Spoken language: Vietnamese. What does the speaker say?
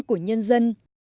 của nhân dân